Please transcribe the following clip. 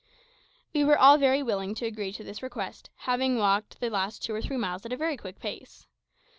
We were all very willing to agree to this request, having walked the last two or three miles at a very quick pace.